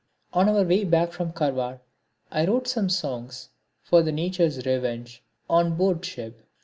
On our way back from Karwar I wrote some songs for the Nature's Revenge on board ship.